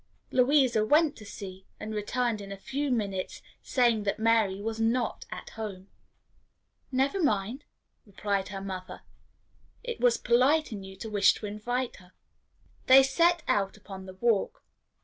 Louisa went to see, and returned in a few minutes, saying that Mary was not at home. "Never mind," replied her mother; "it was polite in you to wish to invite her." They set out upon the walk.